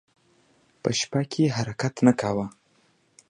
په شپه کې حرکت نه کاوه.